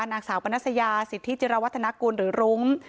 นางสาวปนัสยาสิทธิจิรวัฒนากุลหรือรุ้ง